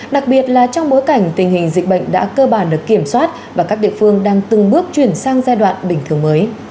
đặc biệt là trong bối cảnh tình hình dịch bệnh đã cơ bản được kiểm soát và các địa phương đang từng bước chuyển sang giai đoạn bình thường mới